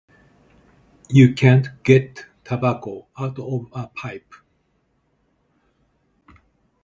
You can't get tobacco out of a pipe.